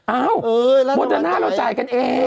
เอ้าวัตถานำเราจ่ายกันเอง